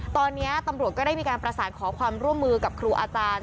ตอนนี้ตำรวจก็ได้มีการประสานขอความร่วมมือกับครูอาจารย์